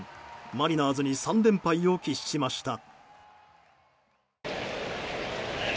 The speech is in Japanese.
マリナーズに３連敗を喫しました。